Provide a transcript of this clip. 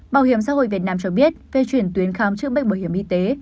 bảo hiểm xã hội việt nam cho biết về chuyển tuyến khám chữa bệnh bảo hiểm y tế